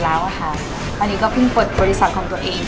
แล้วค่ะตอนนี้ก็เพิ่งปลดโปรดิสัตว์ของตัวเอง